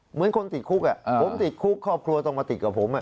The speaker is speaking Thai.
เหมือนคนติดคุกผมติดคุกครอบครัวต้องมาติดกับผม